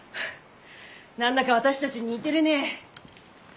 何だか私たち似てるねぇ！